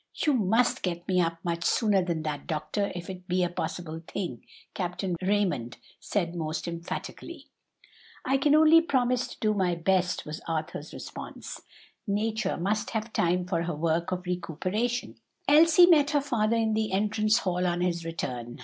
"You must get me up much sooner than that, doctor, if it be a possible thing," Captain Raymond said most emphatically. "I can only promise to do my best," was Arthur's response. "Nature must have time for her work of recuperation." Elsie met her father in the entrance hall on his return.